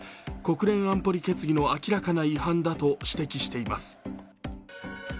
国連安保理決議の明らかな違反だと指摘しています。